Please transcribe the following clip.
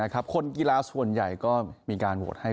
คนกีฬาส่วนใหญ่ก็มีการโหวตให้